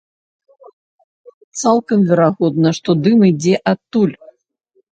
Цалкам верагодна, што дым ідзе адтуль.